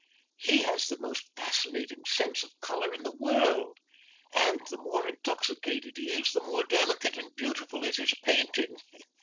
He has the most fascinating sense of colour in the world, and the more intoxicated he is, the more delicate and beautiful is his painting.